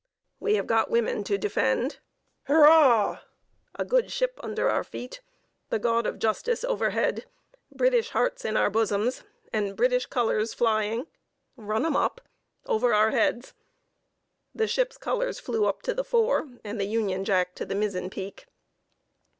"We have got women to defend—" "Hurrah!" "A good ship under our feet, the God of justice overhead, British hearts in our bosoms, and British colors flying—run 'em up!—over our heads." (The ship's colors flew up to the fore, and the Union Jack to the mizzen peak.)